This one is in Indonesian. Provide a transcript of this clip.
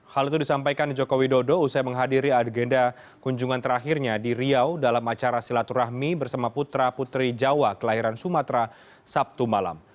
hal itu disampaikan joko widodo usai menghadiri agenda kunjungan terakhirnya di riau dalam acara silaturahmi bersama putra putri jawa kelahiran sumatera sabtu malam